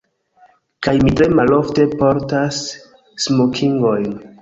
Kaj mi tre malofte portas smokingojn.